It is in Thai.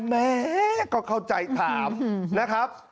แม่ก็เข้าใจถามนะครับ